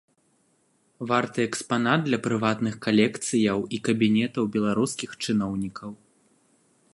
Варты экспанат для прыватных калекцыяў і кабінетаў беларускіх чыноўнікаў.